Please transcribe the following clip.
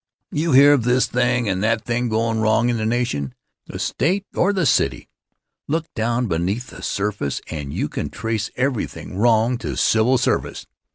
You hear of this thing or that thing goin' wrong in the nation, the State or the city. Look down beneath the surface and you can trace everything wrong to civil service.